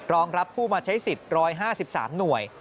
รองรับผู้มาใช้สิทธิ์๑๕๓หน่วย